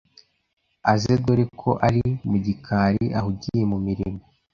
aze dore ko a ari mu gikari ahugiye mu mirimo